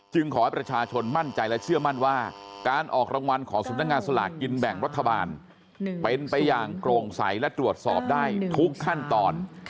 ขอให้ประชาชนมั่นใจและเชื่อมั่นว่าการออกรางวัลของสำนักงานสลากกินแบ่งรัฐบาลเป็นไปอย่างโปร่งใสและตรวจสอบได้ทุกขั้นตอน